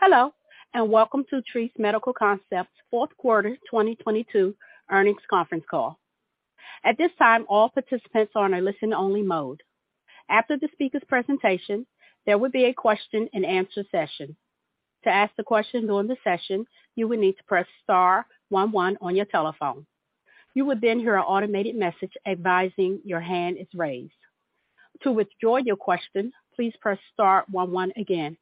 Hello, welcome to Treace Medical Concepts' fourth quarter 2022 earnings conference call. At this time, all participants are in a listen-only mode. After the speaker's presentation, there will be a question-and-answer session. To ask the question during the session, you will need to press star one one on your telephone. You will hear an automated message advising your hand is raised. To withdraw your question, please press star one one again.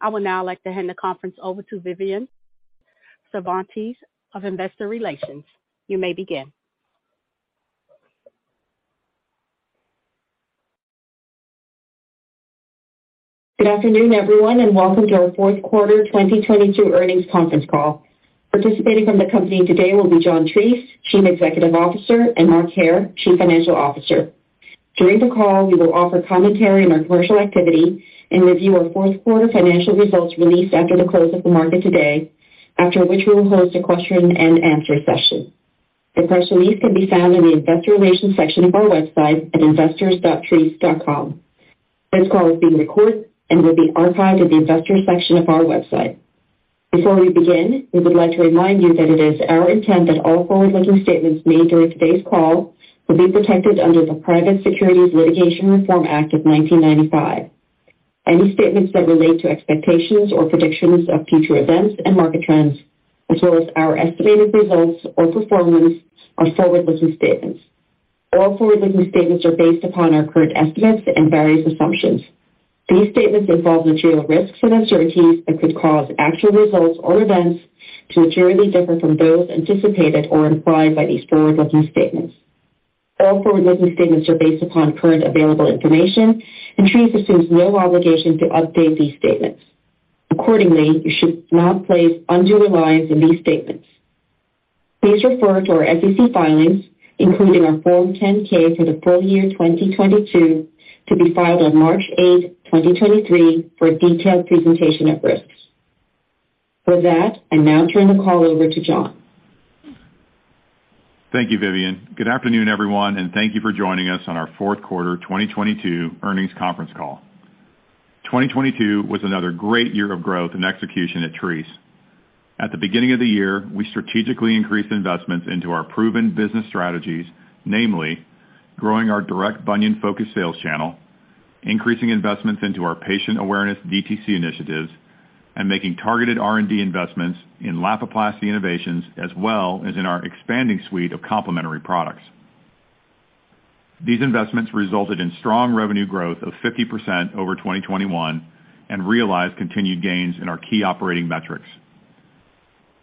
I would now like to hand the conference over to Vivian Cervantes of Investor Relations. You may begin. Good afternoon, everyone, and welcome to our fourth quarter 2022 earnings conference call. Participating from the company today will be John Treace, Chief Executive Officer, and Mark Hair, Chief Financial Officer. During the call, we will offer commentary on our commercial activity and review our fourth quarter financial results released after the close of the market today, after which we will host a question-and-answer session. The press release can be found in the investor relations section of our website at investors.treace.com. This call is being recorded and will be archived at the investor section of our website. Before we begin, we would like to remind you that it is our intent that all forward-looking statements made during today's call will be protected under the Private Securities Litigation Reform Act of 1995. Any statements that relate to expectations or predictions of future events and market trends, as well as our estimated results or performance are forward-looking statements. All forward-looking statements are based upon our current estimates and various assumptions. These statements involve material risks and uncertainties that could cause actual results or events to materially differ from those anticipated or implied by these forward-looking statements. All forward-looking statements are based upon current available information, and Treace assumes no obligation to update these statements. Accordingly, you should not place undue reliance in these statements. Please refer to our SEC filings, including our Form 10-K for the full year 2022, to be filed on March 8, 2023, for a detailed presentation of risks. With that, I now turn the call over to John. Thank you, Vivian. Good afternoon, everyone, and thank you for joining us on our fourth quarter 2022 earnings conference call. 2022 was another great year of growth and execution at Treace. At the beginning of the year, we strategically increased investments into our proven business strategies, namely growing our direct bunion-focused sales channel, increasing investments into our patient awareness DTC initiatives, and making targeted R&D investments in Lapiplasty innovations, as well as in our expanding suite of complementary products. These investments resulted in strong revenue growth of 50% over 2021 and realized continued gains in our key operating metrics.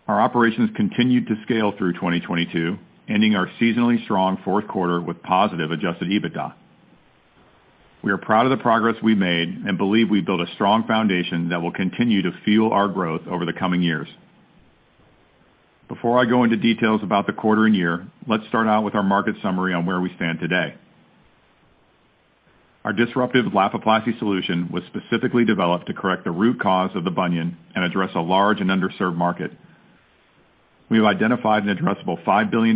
Our operations continued to scale through 2022, ending our seasonally strong fourth quarter with positive adjusted EBITDA. We are proud of the progress we made and believe we built a strong foundation that will continue to fuel our growth over the coming years. Before I go into details about the quarter and year, let's start out with our market summary on where we stand today. Our disruptive Lapiplasty solution was specifically developed to correct the root cause of the bunion and address a large and underserved market. We have identified an addressable $5+ billion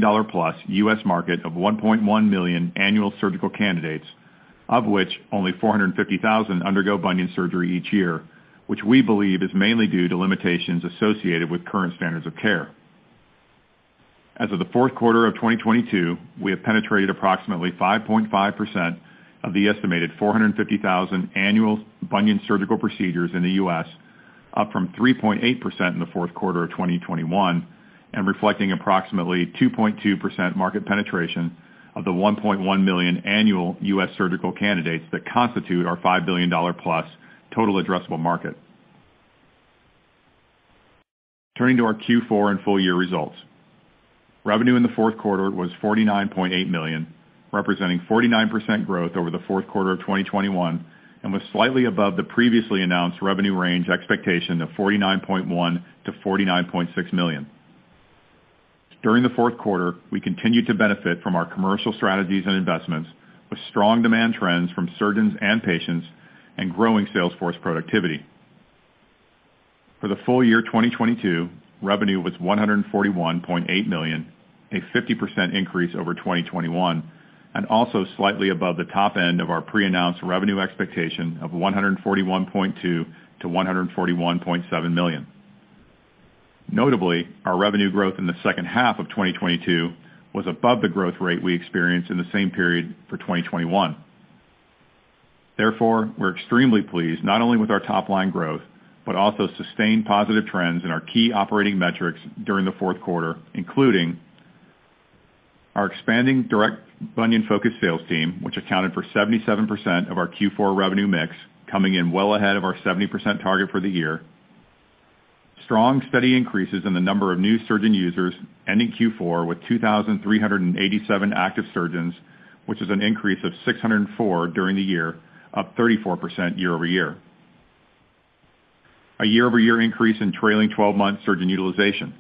U.S. market of 1.1 million annual surgical candidates, of which only 450,000 undergo bunion surgery each year, which we believe is mainly due to limitations associated with current standards of care. As of the fourth quarter of 2022, we have penetrated approximately 5.5% of the estimated 450,000 annual bunion surgical procedures in the U.S., up from 3.8% in the fourth quarter of 2021, and reflecting approximately 2.2% market penetration of the 1.1 million annual U.S. surgical candidates that constitute our $5+ billion total addressable market. Turning to our Q4 and full year results. Revenue in the fourth quarter was $49.8 million, representing 49% growth over the fourth quarter of 2021, and was slightly above the previously announced revenue range expectation of $49.1 million-$49.6 million. During the fourth quarter, we continued to benefit from our commercial strategies and investments with strong demand trends from surgeons and patients and growing sales force productivity. For the full year 2022, revenue was $141.8 million, a 50% increase over 2021, and also slightly above the top end of our pre-announced revenue expectation of $141.2 million-$141.7 million. Notably, our revenue growth in the second half of 2022 was above the growth rate we experienced in the same period for 2021. Therefore, we're extremely pleased not only with our top line growth, but also sustained positive trends in our key operating metrics during the fourth quarter, including our expanding direct bunion-focused sales team, which accounted for 77% of our Q4 revenue mix, coming in well ahead of our 70% target for the year. Strong, steady increases in the number of new surgeon users ending Q4 with 2,387 active surgeons, which is an increase of 604 during the year, up 34% year-over-year. A year-over-year increase in trailing twelve months surgeon utilization,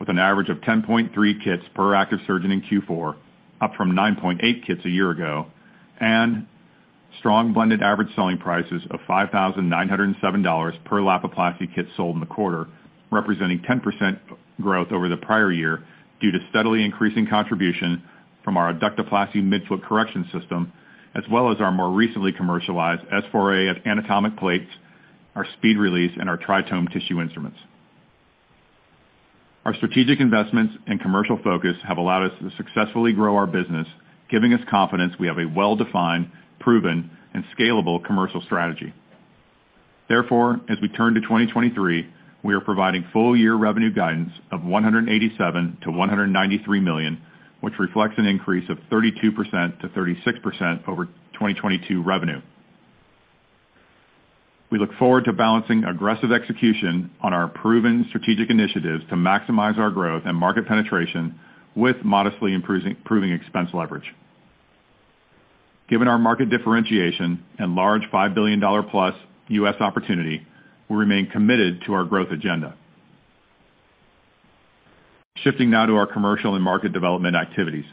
with an average of 10.3 kits per active surgeon in Q4, up from 9.8 kits a year ago. Strong blended average selling prices of $5,907 per Lapiplasty kit sold in the quarter, representing 10% growth over the prior year due to steadily increasing contribution from our Adductoplasty midfoot correction system, as well as our more recently commercialized S4A anatomic plates, our SpeedRelease, and our TriTome tissue instruments. Our strategic investments and commercial focus have allowed us to successfully grow our business, giving us confidence we have a well-defined, proven, and scalable commercial strategy. As we turn to 2023, we are providing full year revenue guidance of $187 million-$193 million, which reflects an increase of 32%-36% over 2022 revenue. We look forward to balancing aggressive execution on our proven strategic initiatives to maximize our growth and market penetration with modestly improving expense leverage. Given our market differentiation and large $5+ billion U.S. opportunity, we remain committed to our growth agenda. Shifting now to our commercial and market development activities.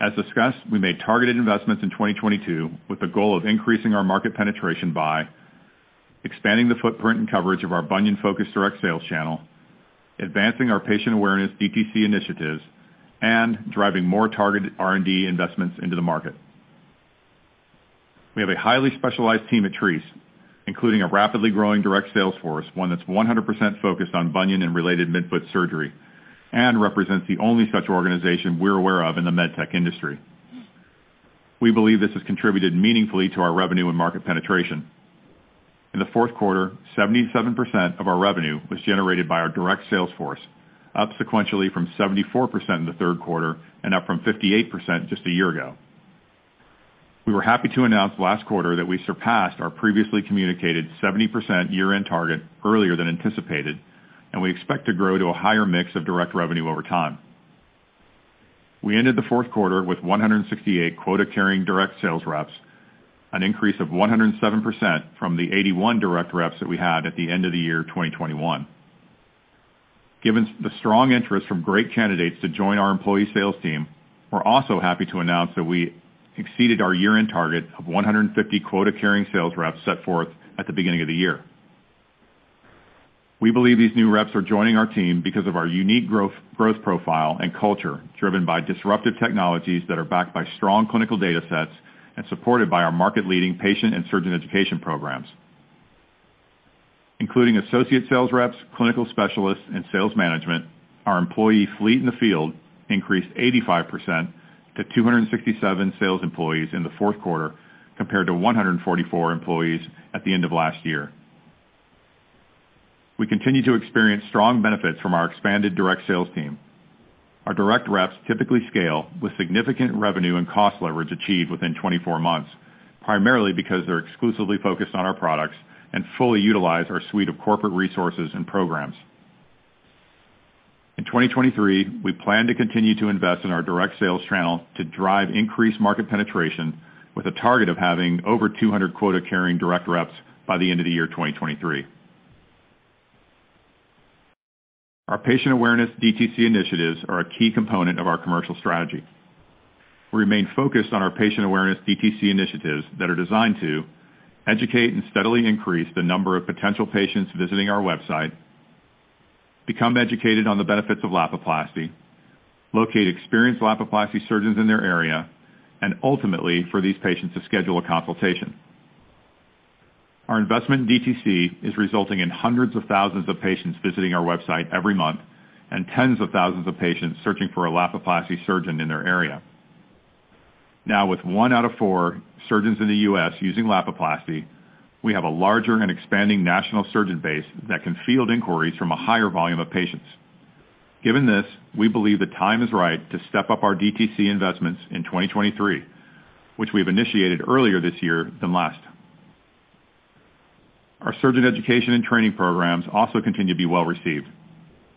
As discussed, we made targeted investments in 2022 with the goal of increasing our market penetration by expanding the footprint and coverage of our bunion-focused direct sales channel, advancing our patient awareness DTC initiatives, and driving more targeted R&D investments into the market. We have a highly specialized team at Treace, including a rapidly growing direct sales force, one that's 100% focused on bunion and related midfoot surgery, and represents the only such organization we're aware of in the MedTech industry. We believe this has contributed meaningfully to our revenue and market penetration. In the fourth quarter, 77% of our revenue was generated by our direct sales force, up sequentially from 74% in the third quarter and up from 58% just a year ago. We were happy to announce last quarter that we surpassed our previously communicated 70% year-end target earlier than anticipated, and we expect to grow to a higher mix of direct revenue over time. We ended the fourth quarter with 168 quota-carrying direct sales reps, an increase of 107% from the 81 direct reps that we had at the end of the year 2021. Given the strong interest from great candidates to join our employee sales team, we're also happy to announce that we exceeded our year-end target of 150 quota-carrying sales reps set forth at the beginning of the year. We believe these new reps are joining our team because of our unique growth profile and culture, driven by disruptive technologies that are backed by strong clinical data sets and supported by our market-leading patient and surgeon education programs. Including associate sales reps, clinical specialists, and sales management, our employee fleet in the field increased 85% to 267 sales employees in the fourth quarter, compared to 144 employees at the end of last year. We continue to experience strong benefits from our expanded direct sales team. Our direct reps typically scale with significant revenue and cost leverage achieved within 24 months, primarily because they're exclusively focused on our products and fully utilize our suite of corporate resources and programs. In 2023, we plan to continue to invest in our direct sales channel to drive increased market penetration with a target of having over 200 quota-carrying direct reps by the end of 2023. Our patient awareness DTC initiatives are a key component of our commercial strategy. We remain focused on our patient awareness DTC initiatives that are designed to educate and steadily increase the number of potential patients visiting our website, become educated on the benefits of Lapiplasty, locate experienced Lapiplasty surgeons in their area, and ultimately for these patients to schedule a consultation. Our investment in DTC is resulting in hundreds of thousands of patients visiting our website every month and tens of thousands of patients searching for a Lapiplasty surgeon in their area. With one out of four surgeons in the U.S. using Lapiplasty, we have a larger and expanding national surgeon base that can field inquiries from a higher volume of patients. Given this, we believe the time is right to step up our DTC investments in 2023, which we have initiated earlier this year than last. Our surgeon education and training programs also continue to be well-received.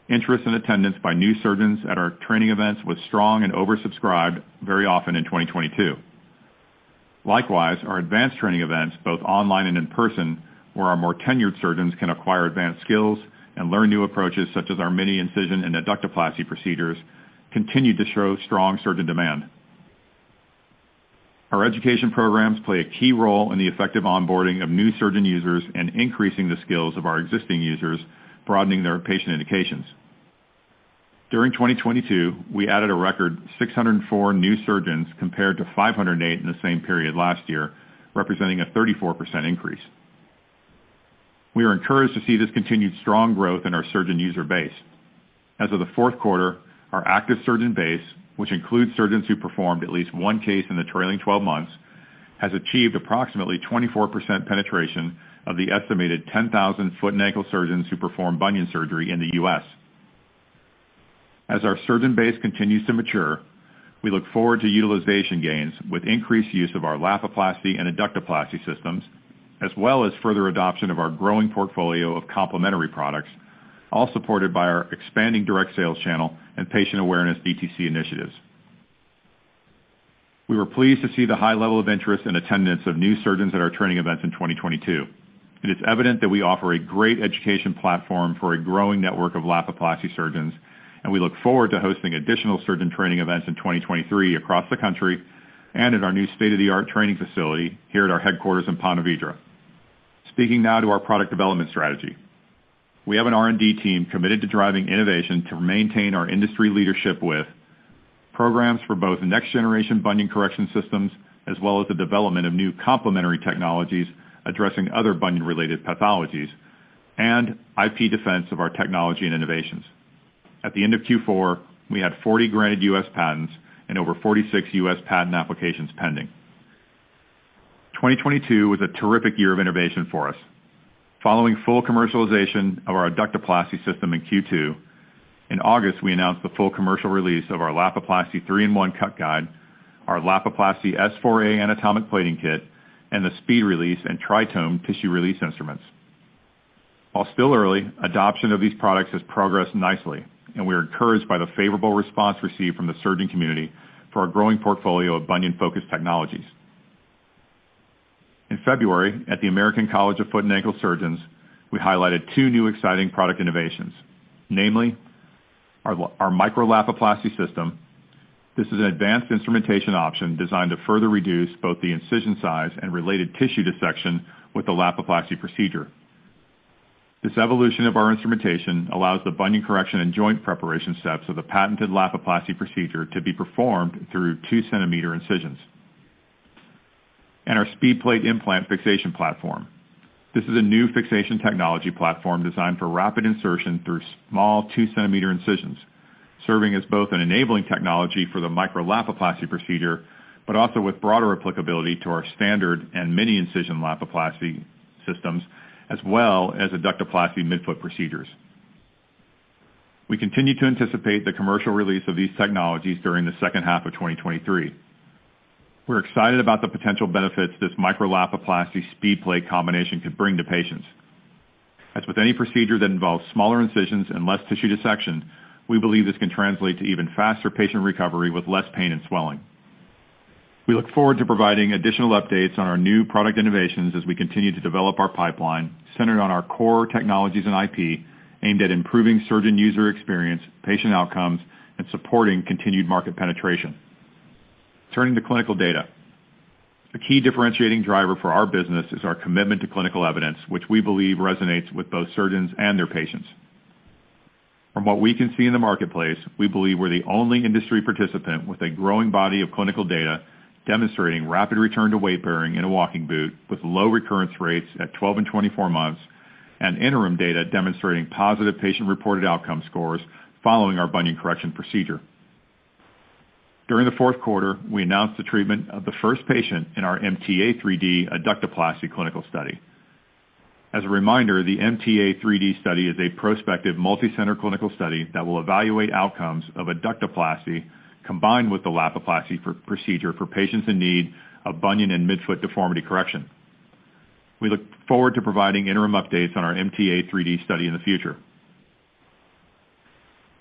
Interest and attendance by new surgeons at our training events was strong and oversubscribed very often in 2022. Our advanced training events, both online and in person, where our more tenured surgeons can acquire advanced skills and learn new approaches such as our Mini-Incision and Adductoplasty procedures, continued to show strong surgeon demand. Our education programs play a key role in the effective onboarding of new surgeon users and increasing the skills of our existing users, broadening their patient indications. During 2022, we added a record 604 new surgeons compared to 508 in the same period last year, representing a 34% increase. We are encouraged to see this continued strong growth in our surgeon user base. As of the fourth quarter, our active surgeon base, which includes surgeons who performed at least one case in the trailing 12 months, has achieved approximately 24% penetration of the estimated 10,000 foot and ankle surgeons who perform bunion surgery in the U.S. As our surgeon base continues to mature, we look forward to utilization gains with increased use of our Lapiplasty and Adductoplasty systems, as well as further adoption of our growing portfolio of complementary products, all supported by our expanding direct sales channel and patient awareness DTC initiatives. We were pleased to see the high level of interest and attendance of new surgeons at our training events in 2022. It is evident that we offer a great education platform for a growing network of Lapiplasty surgeons, and we look forward to hosting additional surgeon training events in 2023 across the country and at our new state-of-the-art training facility here at our headquarters in Ponte Vedra. Speaking now to our product development strategy. We have an R&D team committed to driving innovation to maintain our industry leadership with programs for both next generation bunion correction systems, as well as the development of new complementary technologies addressing other bunion related pathologies and IP defense of our technology and innovations. At the end of Q4, we had 40 granted U.S. patents and over 46 U.S. patent applications pending. 2022 was a terrific year of innovation for us. Following full commercialization of our Adductoplasty system in Q2, in August, we announced the full commercial release of our Lapiplasty 3-in-1 cut guide, our Lapiplasty S4A Anatomic Plating Kit, and the SpeedRelease and TriTome tissue release instruments. While still early, adoption of these products has progressed nicely, and we are encouraged by the favorable response received from the surgeon community for our growing portfolio of bunion-focused technologies. In February, at the American College of Foot and Ankle Surgeons, we highlighted two new exciting product innovations, namely our Micro-Lapiplasty system. This is an advanced instrumentation option designed to further reduce both the incision size and related tissue dissection with the Lapiplasty procedure. This evolution of our instrumentation allows the bunion correction and joint preparation steps of the patented Lapiplasty procedure to be performed through 2 cm incisions. Our SpeedPlate implant fixation platform. This is a new fixation technology platform designed for rapid insertion through small 2 cm incisions, serving as both an enabling technology for the Micro-Lapiplasty procedure, but also with broader applicability to our standard and Mini-Incision Lapiplasty systems, as well as Adductoplasty midfoot procedures. We continue to anticipate the commercial release of these technologies during the second half of 2023. We're excited about the potential benefits this Micro-Lapiplasty SpeedPlate combination could bring to patients. As with any procedure that involves smaller incisions and less tissue dissection, we believe this can translate to even faster patient recovery with less pain and swelling. We look forward to providing additional updates on our new product innovations as we continue to develop our pipeline centered on our core technologies and IP aimed at improving surgeon user experience, patient outcomes, and supporting continued market penetration. Turning to clinical data. A key differentiating driver for our business is our commitment to clinical evidence, which we believe resonates with both surgeons and their patients. From what we can see in the marketplace, we believe we're the only industry participant with a growing body of clinical data demonstrating rapid return to weight-bearing in a walking boot with low recurrence rates at 12 and 24 months, and interim data demonstrating positive patient-reported outcome scores following our bunion correction procedure. During the fourth quarter, we announced the treatment of the first patient in our MTA3D Adductoplasty clinical study. As a reminder, the MTA3D study is a prospective multi-center clinical study that will evaluate outcomes of Adductoplasty combined with the Lapiplasty procedure for patients in need of bunion and midfoot deformity correction. We look forward to providing interim updates on our MTA3D study in the future.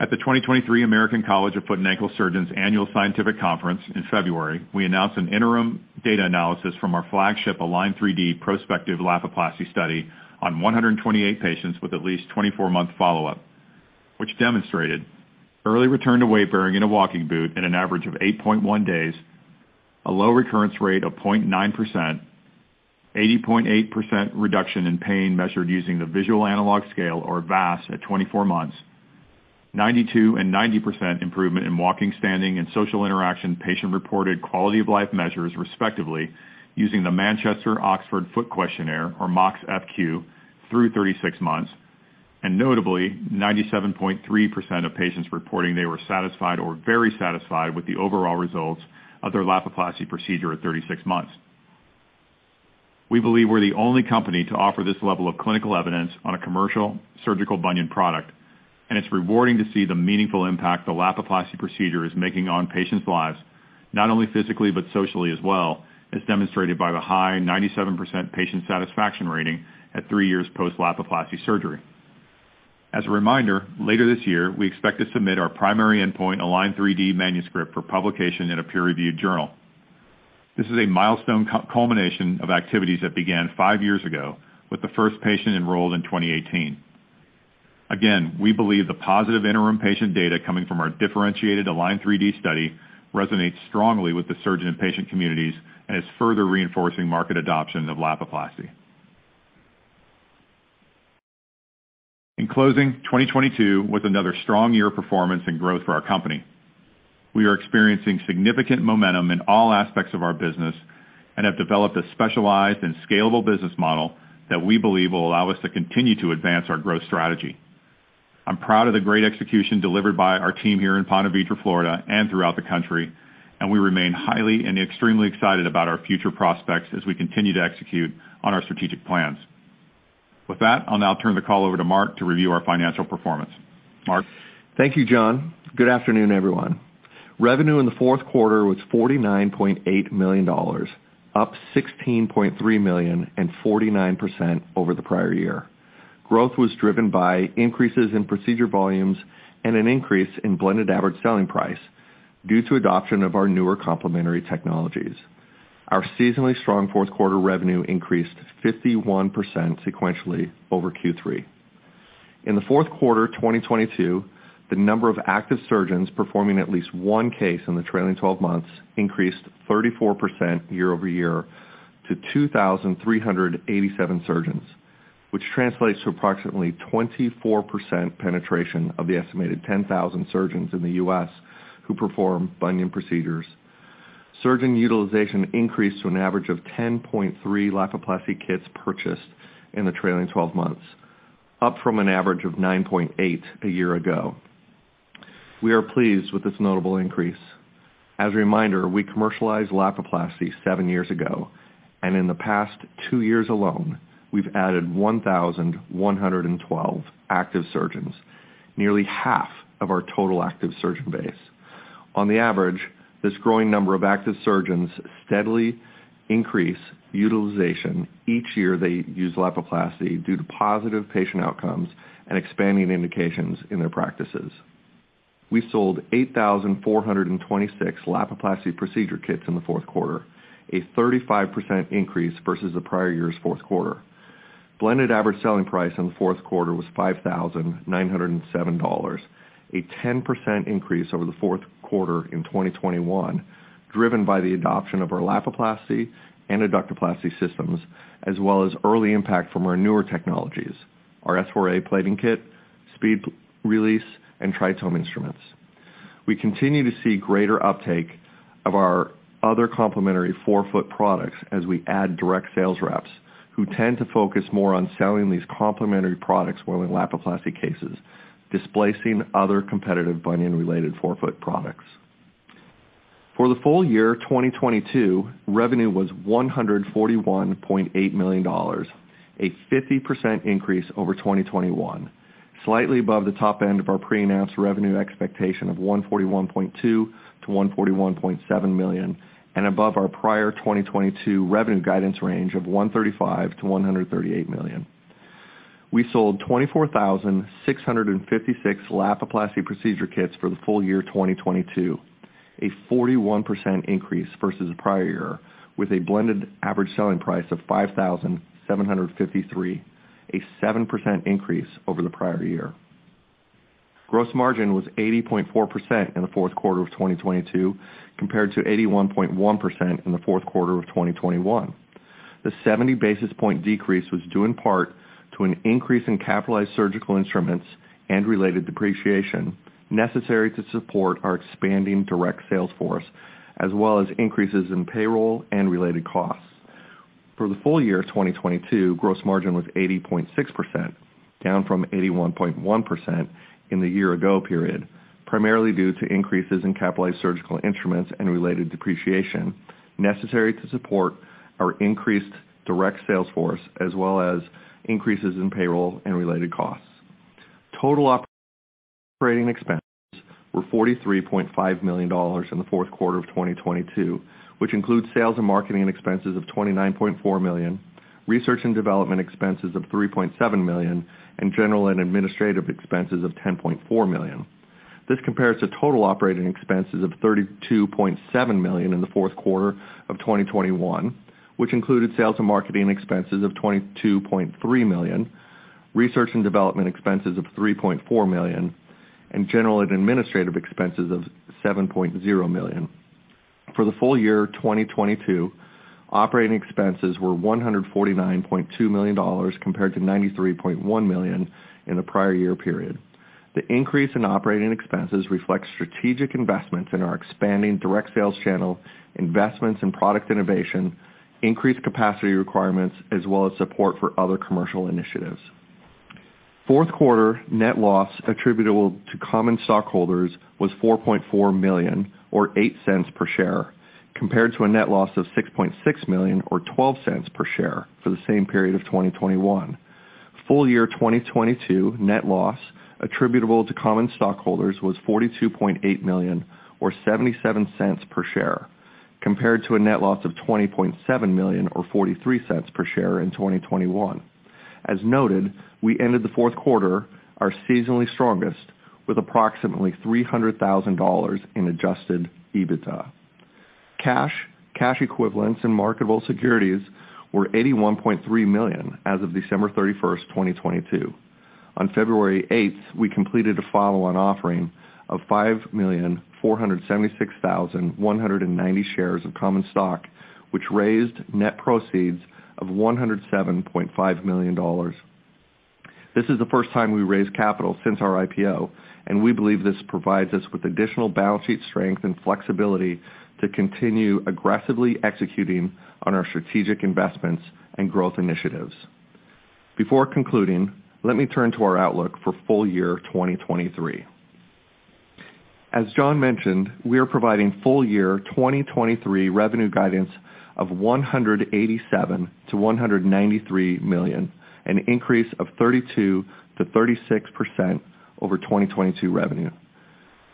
At the 2023 American College of Foot and Ankle Surgeons Annual Scientific Conference in February, we announced an interim data analysis from our flagship ALIGN3D prospective Lapiplasty study on 128 patients with at least 24-month follow-up, which demonstrated early return to weight bearing in a walking boot in an average of 8.1 days, a low recurrence rate of 0.9%, 80.8% reduction in pain measured using the visual analog scale or VAS at 24 months, 92% and 90% improvement in walking, standing, and social interaction patient-reported quality of life measures, respectively, using the Manchester-Oxford Foot Questionnaire or MOxFQ through 36 months. Notably, 97.3% of patients reporting they were satisfied or very satisfied with the overall results of their Lapiplasty procedure at 36 months. We believe we're the only company to offer this level of clinical evidence on a commercial surgical bunion product, and it's rewarding to see the meaningful impact the Lapiplasty procedure is making on patients' lives, not only physically but socially as well, as demonstrated by the high 97% patient satisfaction rating at three years post-Lapiplasty surgery. As a reminder, later this year, we expect to submit our primary endpoint ALIGN3D manuscript for publication in a peer-reviewed journal. This is a milestone co-culmination of activities that began five years ago with the first patient enrolled in 2018. Again, we believe the positive interim patient data coming from our differentiated ALIGN3D study resonates strongly with the surgeon and patient communities and is further reinforcing market adoption of Lapiplasty. In closing 2022 with another strong year of performance and growth for our company, we are experiencing significant momentum in all aspects of our business and have developed a specialized and scalable business model that we believe will allow us to continue to advance our growth strategy. I'm proud of the great execution delivered by our team here in Ponte Vedra, Florida, and throughout the country, and we remain highly and extremely excited about our future prospects as we continue to execute on our strategic plans. With that, I'll now turn the call over to Mark to review our financial performance. Mark? Thank you, John. Good afternoon, everyone. Revenue in the fourth quarter was $49.8 million, up $16.3 million and 49% over the prior year. Growth was driven by increases in procedure volumes and an increase in blended average selling price due to adoption of our newer complementary technologies. Our seasonally strong fourth quarter revenue increased 51% sequentially over Q3. In the fourth quarter 2022, the number of active surgeons performing at least one case in the trailing 12 months increased 34% year-over-year to 2,387 surgeons. Which translates to approximately 24% penetration of the estimated 10,000 surgeons in the U.S. who perform bunion procedures. Surgeon utilization increased to an average of 10.3 Lapiplasty kits purchased in the trailing 12 months, up from an average of 9.8 a year ago. We are pleased with this notable increase. As a reminder, we commercialized Lapiplasty seven years ago, and in the past two years alone, we've added 1,112 active surgeons, nearly half of our total active surgeon base. On the average, this growing number of active surgeons steadily increase utilization each year they use Lapiplasty due to positive patient outcomes and expanding indications in their practices. We sold 8,426 Lapiplasty procedure kits in the fourth quarter, a 35% increase versus the prior year's fourth quarter. Blended average selling price in the fourth quarter was $5,907, a 10% increase over the fourth quarter in 2021, driven by the adoption of our Lapiplasty and Adductoplasty systems, as well as early impact from our newer technologies, our S4A plating kit, SpeedRelease, and TriTome instruments. We continue to see greater uptake of our other complementary forefoot products as we add direct sales reps who tend to focus more on selling these complementary products while in Lapiplasty cases, displacing other competitive bunion-related forefoot products. For the full year 2022, revenue was $141.8 million, a 50% increase over 2021, slightly above the top end of our pre-announced revenue expectation of $141.2 million-$141.7 million and above our prior 2022 revenue guidance range of $135 million-$138 million. We sold 24,656 Lapiplasty procedure kits for the full year 2022, a 41% increase versus the prior year, with a blended average selling price of $5,753, a 7% increase over the prior year. Gross margin was 80.4% in the fourth quarter of 2022, compared to 81.1% in the fourth quarter of 2021. The 70 basis point decrease was due in part to an increase in capitalized surgical instruments and related depreciation necessary to support our expanding direct sales force, as well as increases in payroll and related costs. For the full year of 2022, gross margin was 80.6%, down from 81.1% in the year ago period, primarily due to increases in capitalized surgical instruments and related depreciation necessary to support our increased direct sales force, as well as increases in payroll and related costs. Total operating expenses were $43.5 million in the fourth quarter of 2022, which includes sales and marketing expenses of $29.4 million, research and development expenses of $3.7 million, and general and administrative expenses of $10.4 million. This compares to total operating expenses of $32.7 million in the fourth quarter of 2021, which included sales and marketing expenses of $22.3 million, research and development expenses of $3.4 million, and general and administrative expenses of $7.0 million. For the full year 2022, operating expenses were $149.2 million compared to $93.1 million in the prior year period. The increase in operating expenses reflects strategic investments in our expanding direct sales channel, investments in product innovation, increased capacity requirements, as well as support for other commercial initiatives. Fourth quarter net loss attributable to common stockholders was $4.4 million or $0.08 per share, compared to a net loss of $6.6 million or $0.12 per share for the same period of 2021. Full year 2022 net loss attributable to common stockholders was $42.8 million or $0.77 per share, compared to a net loss of $20.7 million or $0.43 per share in 2021. As noted, we ended the fourth quarter, our seasonally strongest, with approximately $300,000 in adjusted EBITDA. Cash, cash equivalents and marketable securities were $81.3 million as of December 31st, 2022. On February 8th, we completed a follow-on offering of 5,476,190 shares of common stock, which raised net proceeds of $107.5 million. This is the first time we raised capital since our IPO, and we believe this provides us with additional balance sheet strength and flexibility to continue aggressively executing on our strategic investments and growth initiatives. Before concluding, let me turn to our outlook for full year 2023. As John mentioned, we are providing full year 2023 revenue guidance of $187 million-$193 million, an increase of 32%-36% over 2022 revenue.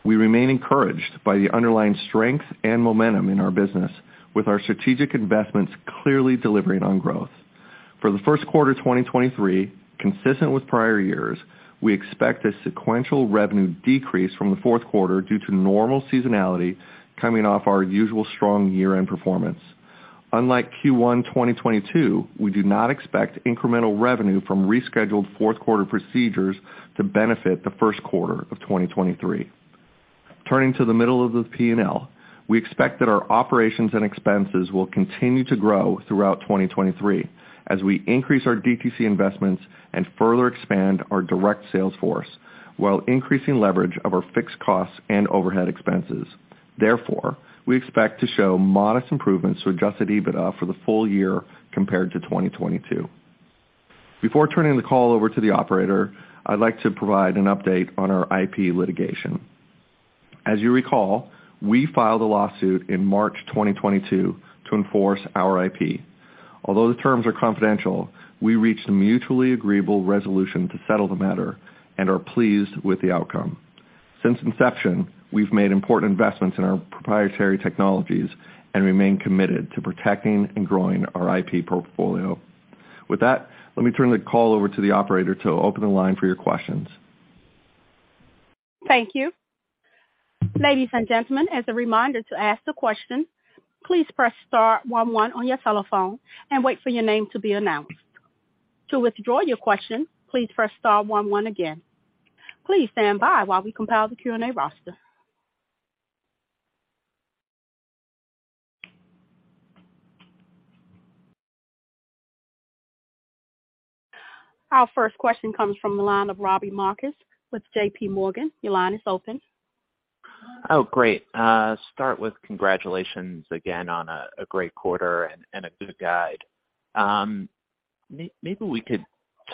We remain encouraged by the underlying strength and momentum in our business with our strategic investments clearly delivering on growth. For the first quarter 2023, consistent with prior years, we expect a sequential revenue decrease from the fourth quarter due to normal seasonality coming off our usual strong year-end performance. Unlike Q1 2022, we do not expect incremental revenue from rescheduled fourth quarter procedures to benefit the first quarter of 2023. Turning to the middle of the P&L, we expect that our operations and expenses will continue to grow throughout 2023 as we increase our DTC investments and further expand our direct sales force while increasing leverage of our fixed costs and overhead expenses. Therefore, we expect to show modest improvements to adjusted EBITDA for the full year compared to 2022. Before turning the call over to the operator, I'd like to provide an update on our IP litigation. As you recall, we filed a lawsuit in March 2022 to enforce our IP. Although the terms are confidential, we reached a mutually agreeable resolution to settle the matter and are pleased with the outcome. Since inception, we've made important investments in our proprietary technologies and remain committed to protecting and growing our IP portfolio. With that, let me turn the call over to the operator to open the line for your questions. Thank you. Ladies and gentlemen, as a reminder to ask the question, please press star one one on your telephone and wait for your name to be announced. To withdraw your question, please press star one one again. Please stand by while we compile the Q&A roster. Our first question comes from the line of Robbie Marcus with JPMorgan. Your line is open. Great. Start with congratulations again on a great quarter and a good guide. Maybe we could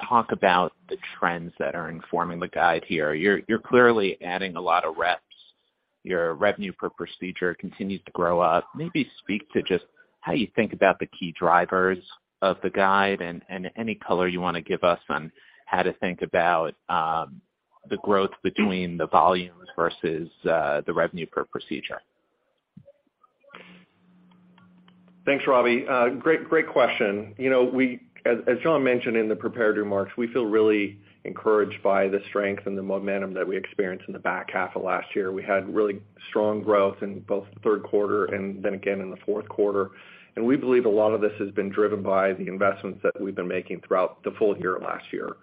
talk about the trends that are informing the guide here. You're clearly adding a lot of reps. Your revenue per procedure continues to grow up. Maybe speak to just how you think about the key drivers of the guide and any color you wanna give us on how to think about the growth between the volumes versus the revenue per procedure. Thanks, Robbie. great question. You know, as John mentioned in the prepared remarks, we feel really encouraged by the strength and the momentum that we experienced in the back half of last year. We had really strong growth in both the third quarter and again in the fourth quarter. We believe a lot of this has been driven by the investments that we've been making throughout the full year last year.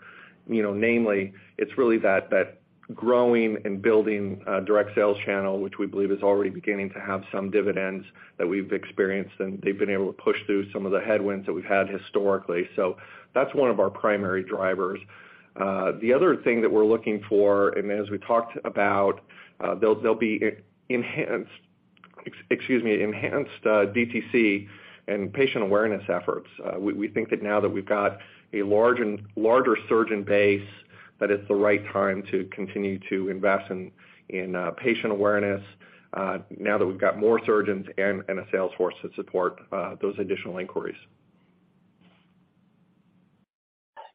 You know, namely, it's really that growing and building a direct sales channel, which we believe is already beginning to have some dividends that we've experienced, and they've been able to push through some of the headwinds that we've had historically. That's one of our primary drivers. The other thing that we're looking for, and as we talked about, there'll be enhanced DTC and patient awareness efforts. We think that now that we've got a large and larger surgeon base, that it's the right time to continue to invest in patient awareness, now that we've got more surgeons and a sales force to support those additional inquiries.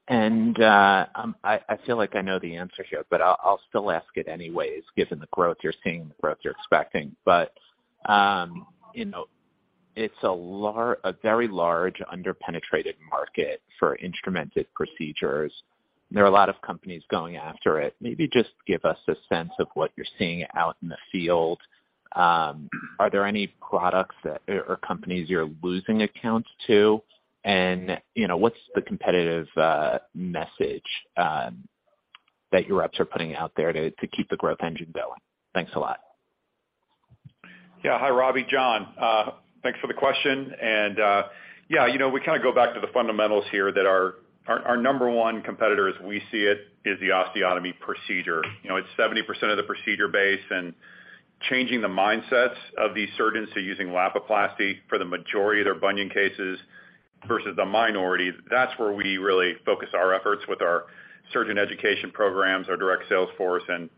I feel like I know the answer here, but I'll still ask it anyways, given the growth you're seeing and the growth you're expecting. You know, it's a very large under-penetrated market for instrumented procedures. There are a lot of companies going after it. Maybe just give us a sense of what you're seeing out in the field. Are there any products that or companies you're losing accounts to? You know, what's the competitive message that your reps are putting out there to keep the growth engine going? Thanks a lot. Yeah. Hi, Robbie. John. Thanks for the question. Yeah, you know, we kinda go back to the fundamentals here that our number one competitor as we see it is the osteotomy procedure. You know, it's 70% of the procedure base and changing the mindsets of these surgeons to using Lapiplasty for the majority of their bunion cases versus the minority, that's where we really focus our efforts with our surgeon education programs, our direct sales force, and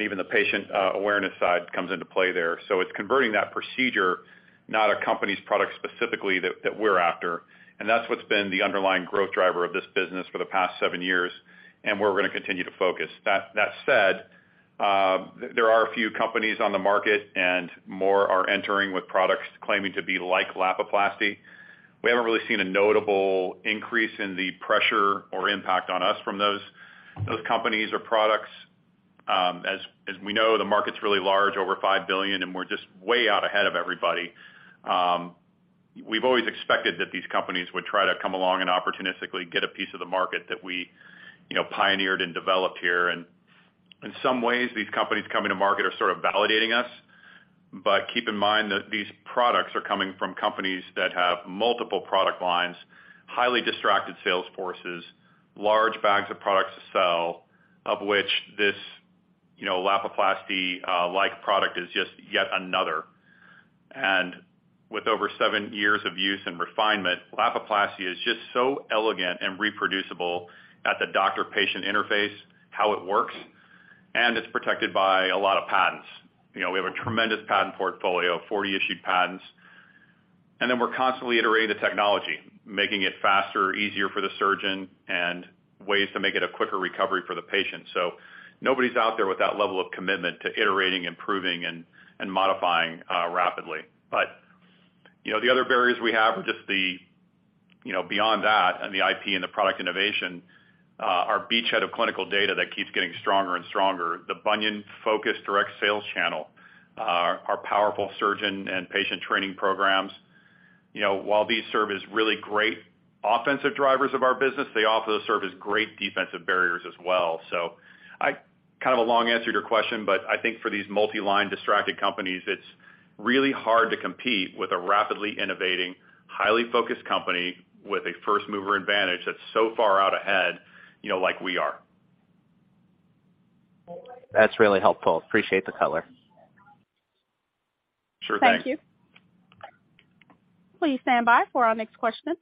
even the patient awareness side comes into play there. It's converting that procedure, not a company's product specifically that we're after. That's what's been the underlying growth driver of this business for the past seven years, and we're gonna continue to focus. That said, there are a few companies on the market and more are entering with products claiming to be like Lapiplasty. We haven't really seen a notable increase in the pressure or impact on us from those companies or products. As we know, the market's really large, over $5 billion, we're just way out ahead of everybody. We've always expected that these companies would try to come along and opportunistically get a piece of the market that we, you know, pioneered and developed here. In some ways, these companies coming to market are sort of validating us. Keep in mind that these products are coming from companies that have multiple product lines, highly distracted sales forces, large bags of products to sell, of which this, you know, Lapiplasty like product is just yet another. With over seven years of use and refinement, Lapiplasty is just so elegant and reproducible at the doctor-patient interface, how it works, and it's protected by a lot of patents. You know, we have a tremendous patent portfolio, 40 issued patents. We're constantly iterating the technology, making it faster, easier for the surgeon, and ways to make it a quicker recovery for the patient. Nobody's out there with that level of commitment to iterating, improving, and modifying rapidly. You know, the other barriers we have are just the beyond that and the IP and the product innovation, our beachhead of clinical data that keeps getting stronger and stronger, the bunion-focused direct sales channel, our powerful surgeon and patient training programs. You know, while these serve as really great offensive drivers of our business, they also serve as great defensive barriers as well. kind of a long answer to your question, but I think for these multi-line distracted companies, it's really hard to compete with a rapidly innovating, highly focused company with a first-mover advantage that's so far out ahead, you know, like we are. That's really helpful. Appreciate the color. Sure thing. Thank you. Please stand by for our next question.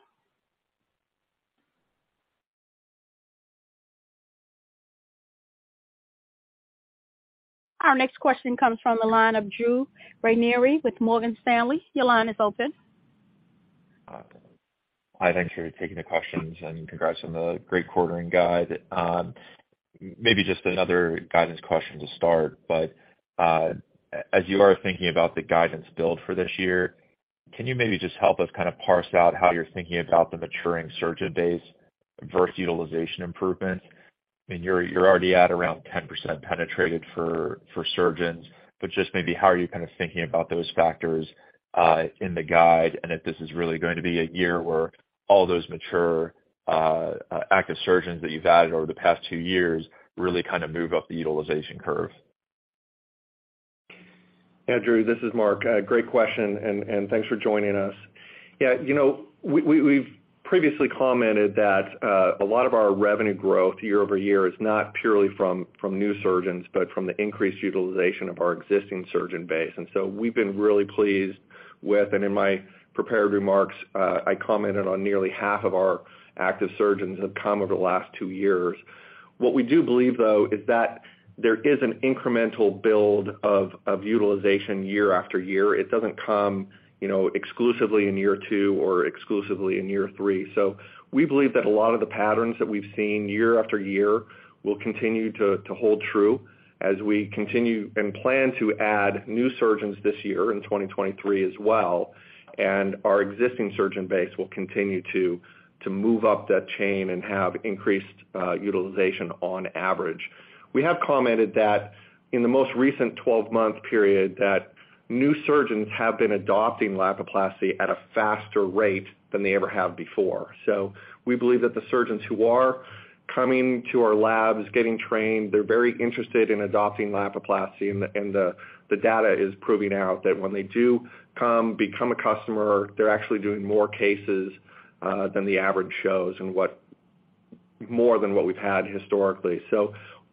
Our next question comes from the line of Drew Ranieri with Morgan Stanley. Your line is open. Hi. Thanks for taking the questions, and congrats on the great quarter and guide. Maybe just another guidance question to start. As you are thinking about the guidance build for this year, can you maybe just help us kind of parse out how you're thinking about the maturing surgeon base versus utilization improvement? I mean, you're already at around 10% penetrated for surgeons, just maybe how are you kind of thinking about those factors in the guide, and if this is really going to be a year where all those mature, active surgeons that you've added over the past two years really kind of move up the utilization curve. Yeah, Drew, this is Mark. Great question, and thanks for joining us. You know, we've previously commented that a lot of our revenue growth year-over-year is not purely from new surgeons, but from the increased utilization of our existing surgeon base. We've been really pleased with, and in my prepared remarks, I commented on nearly half of our active surgeons have come over the last two years. What we do believe, though, is that there is an incremental build of utilization year after year. It doesn't come, you know, exclusively in year two or exclusively in year three. We believe that a lot of the patterns that we've seen year after year will continue to hold true as we continue and plan to add new surgeons this year in 2023 as well, and our existing surgeon base will continue to move up that chain and have increased utilization on average. We have commented that in the most recent 12-month period, that new surgeons have been adopting Lapiplasty at a faster rate than they ever have before. We believe that the surgeons who are coming to our labs, getting trained, they're very interested in adopting Lapiplasty, and the data is proving out that when they do become a customer, they're actually doing more cases than the average shows and more than what we've had historically.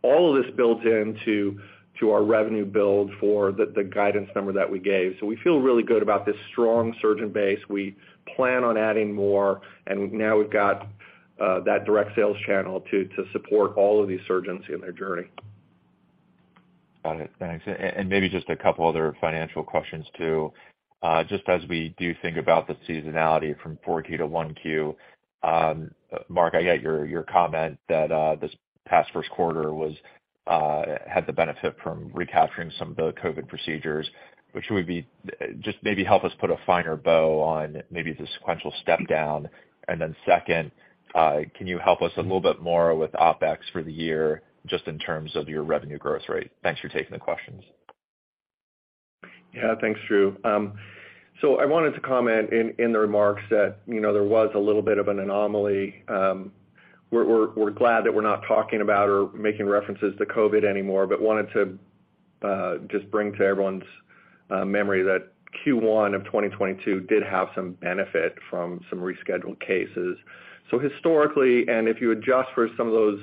All of this builds into our revenue build for the guidance number that we gave. We feel really good about this strong surgeon base. We plan on adding more. Now we've got that direct sales channel to support all of these surgeons in their journey. Got it. Thanks. Maybe just a couple other financial questions too. Just as we do think about the seasonality from 4Q to 1Q, Mark, I get your comment that this past first quarter was had the benefit from recapturing some of the COVID procedures, which would be... Just maybe help us put a finer bow on maybe the sequential step down? Then second, can you help us a little bit more with OpEx for the year just in terms of your revenue growth rate? Thanks for taking the questions. Yeah, thanks, Drew. I wanted to comment in the remarks that, you know, there was a little bit of an anomaly. We're glad that we're not talking about or making references to COVID anymore, wanted to just bring to everyone's memory that Q1 of 2022 did have some benefit from some rescheduled cases. Historically, if you adjust for some of those,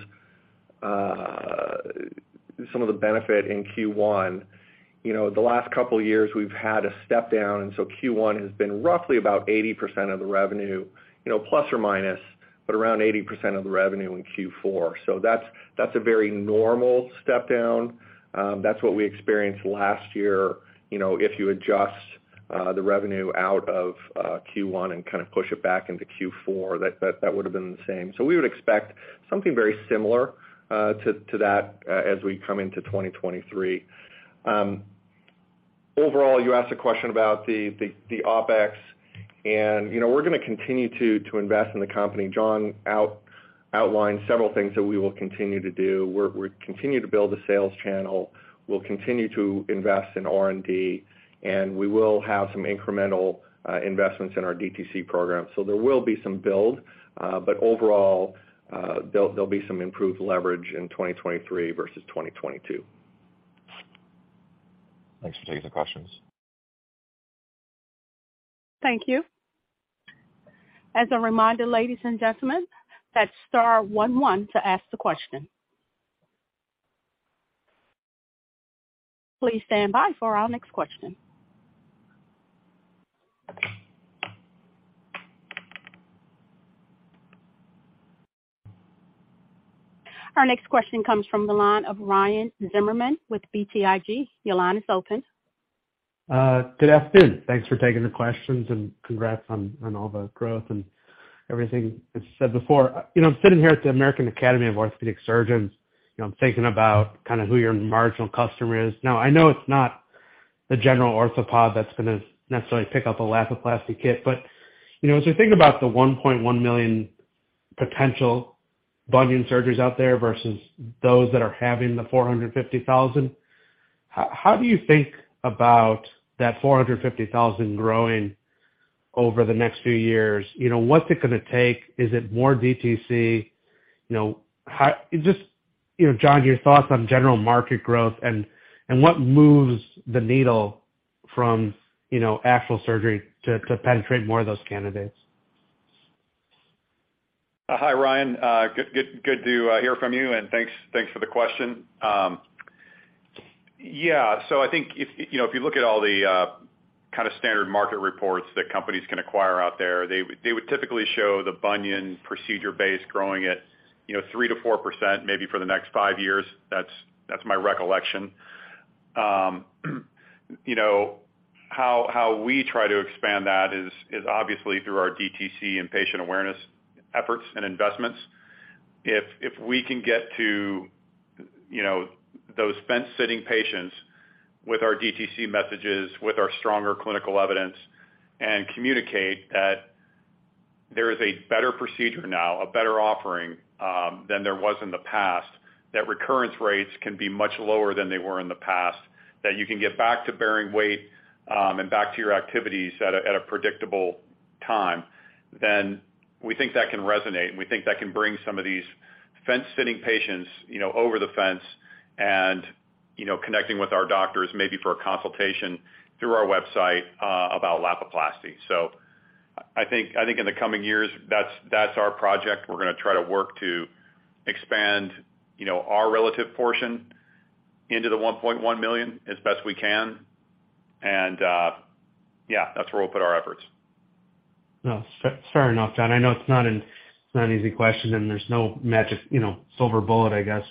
some of the benefit in Q1, you know, the last couple of years we've had a step down, Q1 has been roughly about 80% of the revenue, you know, plus or minus, but around 80% of the revenue in Q4. That's a very normal step down. That's what we experienced last year. You know, if you adjust the revenue out of Q1 and kind of push it back into Q4, that would have been the same. We would expect something very similar to that as we come into 2023. Overall, you asked a question about the OpEx and, you know, we're gonna continue to invest in the company. John outlined several things that we will continue to do. We're continue to build a sales channel. We'll continue to invest in R&D, and we will have some incremental investments in our DTC program. There will be some build, but overall, there'll be some improved leverage in 2023 versus 2022. Thanks for taking the questions. Thank you. As a reminder, ladies and gentlemen, that's star one one to ask the question. Please stand by for our next question. Our next question comes from the line of Ryan Zimmerman with BTIG. Your line is open. Good afternoon. Thanks for taking the questions and congrats on all the growth and everything that's said before. You know, sitting here at the American Academy of Orthopaedic Surgeons, you know, I'm thinking about kind of who your marginal customer is. I know it's not the general orthopod that's gonna necessarily pick up a Lapiplasty kit. You know, as we think about the 1.1 million potential bunion surgeries out there versus those that are having the 450,000. How do you think about that 450,000 growing over the next few years? You know, what's it gonna take? Is it more DTC? You know, how... Just, you know, John, your thoughts on general market growth and what moves the needle from, you know, actual surgery to penetrate more of those candidates. Hi, Ryan. Good to hear from you, and thanks for the question. Yeah. I think if, you know, if you look at all the kind of standard market reports that companies can acquire out there, they would typically show the bunion procedure base growing at, you know, 3%-4% maybe for the next five years. That's my recollection. You know, how we try to expand that is obviously through our DTC and patient awareness efforts and investments. If we can get to, you know, those fence-sitting patients with our DTC messages, with our stronger clinical evidence, and communicate that there is a better procedure now, a better offering, than there was in the past, that recurrence rates can be much lower than they were in the past, that you can get back to bearing weight, and back to your activities at a predictable time, then we think that can resonate, and we think that can bring some of these fence-sitting patients, you know, over the fence and, you know, connecting with our doctors maybe for a consultation through our website about Lapiplasty. I think in the coming years, that's our project. We're gonna try to work to expand, you know, our relative portion into the 1.1 million as best we can. Yeah, that's where we'll put our efforts. No, fair enough, John. I know it's not an easy question, and there's no magic, you know, silver bullet, I guess,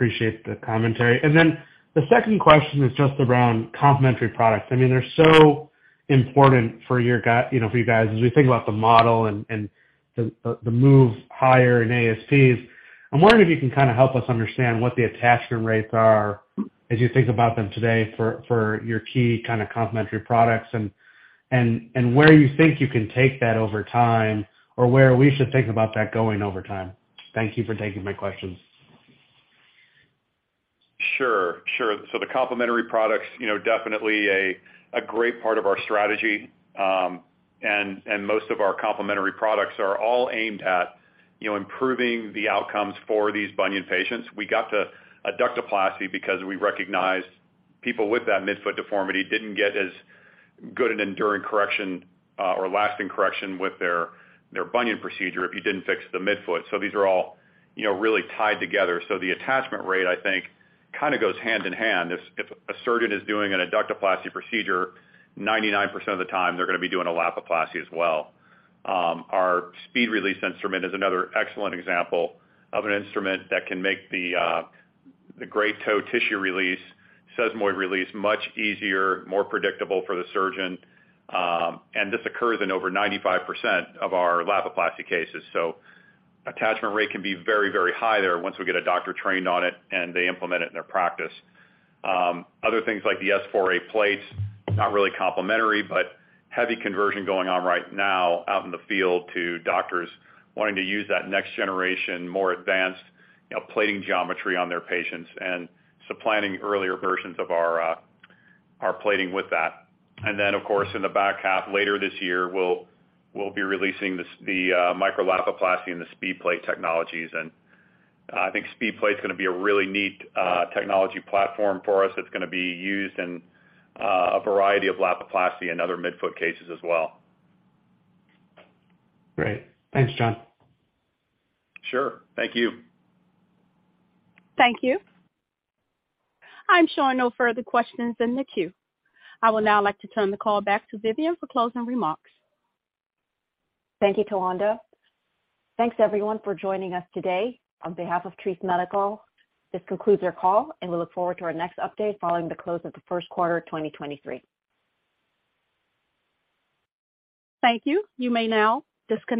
but appreciate the commentary. Then the second question is just around complementary products. I mean, they're so important for you know, for you guys, as we think about the model and the move higher in ASPs. I'm wondering if you can kinda help us understand what the attachment rates are as you think about them today for your key kinda complementary products and where you think you can take that over time or where we should think about that going over time. Thank you for taking my questions. Sure. Sure. The complementary products, you know, definitely a great part of our strategy. Most of our complementary products are all aimed at, you know, improving the outcomes for these bunion patients. We got to Adductoplasty because we recognized people with that midfoot deformity didn't get as good an enduring correction or lasting correction with their bunion procedure if you didn't fix the midfoot. These are all, you know, really tied together. The attachment rate, I think, kinda goes hand in hand. If a surgeon is doing an Adductoplasty procedure, 99% of the time, they're gonna be doing a Lapiplasty as well. Our SpeedRelease instrument is another excellent example of an instrument that can make the great toe tissue release, sesamoid release much easier, more predictable for the surgeon. This occurs in over 95% of our Lapiplasty cases. Attachment rate can be very, very high there once we get a doctor trained on it, and they implement it in their practice. Other things like the S4A plates, not really complementary, but heavy conversion going on right now out in the field to doctors wanting to use that next generation, more advanced, you know, plating geometry on their patients and supplanting earlier versions of our plating with that. Of course, in the back half, later this year, we'll be releasing the Micro-Lapiplasty and the SpeedPlate technologies. I think SpeedPlate's gonna be a really neat technology platform for us. It's gonna be used in a variety of Lapiplasty and other midfoot cases as well. Great. Thanks, John. Sure. Thank you. Thank you. I'm showing no further questions in the queue. I would now like to turn the call back to Vivian for closing remarks. Thank you, Talonda. Thanks, everyone, for joining us today. On behalf of Treace Medical, this concludes our call, and we look forward to our next update following the close of the first quarter of 2023. Thank you. You may now disconnect.